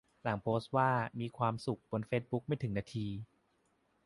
หลังโพสต์ว่า "มีความสุข" บนเฟซบุ๊กไม่ถึงหนึ่งนาที